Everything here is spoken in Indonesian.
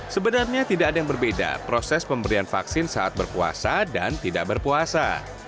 sebenarnya tidak ada yang berbeda proses pemberian vaksin saat berpuasa dan tidak berpuasa